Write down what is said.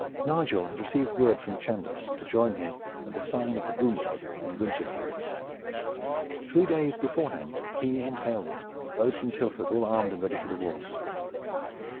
Nigel had received word from Chandos to join him at "The Sign of the Broom Pod" in Winchelsea. Three days beforehand he and Aylward rode from Tilford all armed and ready for the wars.